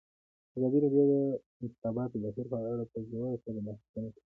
ازادي راډیو د د انتخاباتو بهیر په اړه په ژوره توګه بحثونه کړي.